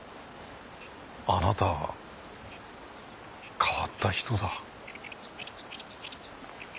あなた変わった人だ。